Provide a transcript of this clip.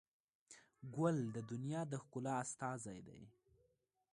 ګل د دنیا د ښکلا استازی دی.